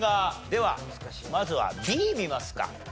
ではまずはＢ見ますか。